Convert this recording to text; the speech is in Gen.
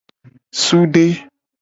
Sude.